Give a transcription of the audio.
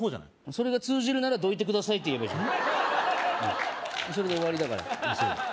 それが通じるならどいてくださいって言えばいいじゃないそれで終わりだからあっそう